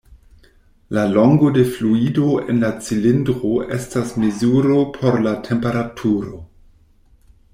La longo de fluido en la cilindro estas mezuro por la temperaturo.